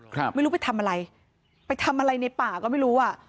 ไม่รู้ไปทำอะไรไปทำอะไรในป่าก็ไม่รู้อ่ะ